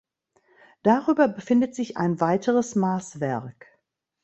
Darüber befindet sich ein weiteres Maßwerk.